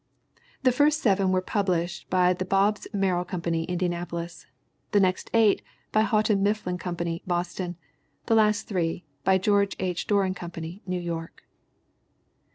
The first seven were published by the Bobbs Merrill Company, Indianapolis; the next eight by Houghton Mifflin Company, Boston; the last three by George H. Doran Company, New York.